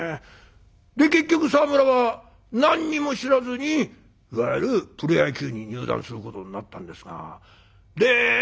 で結局沢村は何にも知らずにいわゆるプロ野球に入団することになったんですが。